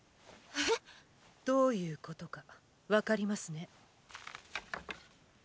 えっ⁉どういうことか分かりますね。